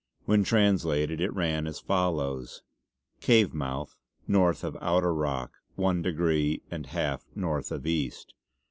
When translated it ran as follows: "Cave mouthe northe of outer rock one degree and half North of East.